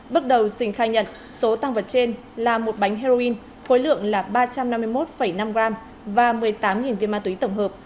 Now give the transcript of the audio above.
bước đầu sình khai nhận số tăng vật trên là một bánh heroin khối lượng là ba trăm năm mươi một năm g và một mươi tám viên ma túy tổng hợp